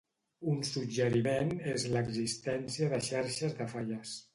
Un suggeriment és l'existència de xarxes de falles.